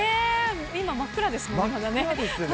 今、真っ暗ですもんね。